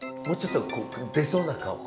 もうちょっと出そうな顔。